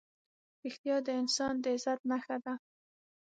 رښتیا د انسان د عزت نښه ده.